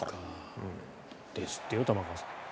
ですってよ玉川さん。